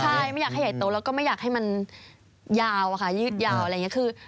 ใช่ไม่อยากให้ใหญ่โตแล้วก็ไม่อยากให้มันยาวอะค่ะยืดยาวอะไรอย่างนี้คือ